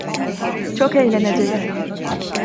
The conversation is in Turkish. Çok eğleneceksin.